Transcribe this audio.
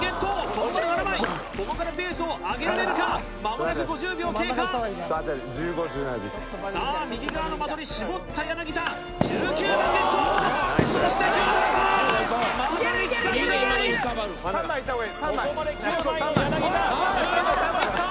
ここまで７枚ここからペースを上げられるかまもなく５０秒経過さあ右側の的に絞った柳田１９番ゲットそして１７番いけるいけるいけるまさに規格外３枚いった方がいい３枚ここまで９枚の柳田１５番もいった